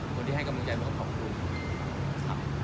คนที่ให้กำลังใจผมก็ขอบคุณ